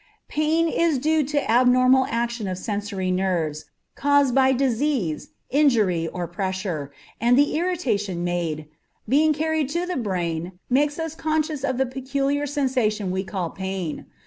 Pain is due to abnormal action of sensory nerves, caused by disease, injury, or pressure, and the irritation made, being carried to the brain makes us conscious of the peculiar sensation we call pain.